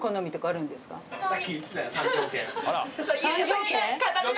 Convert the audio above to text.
３条件？